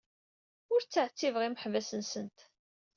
Ur ttɛettibeɣ imeḥbas-nsent.